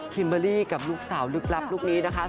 เบอร์รี่กับลูกสาวลึกลับลูกนี้นะคะ